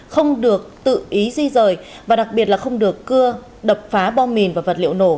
không được tự ý di rời và đặc biệt là không được cưa đập phá bom mìn và vật liệu nổ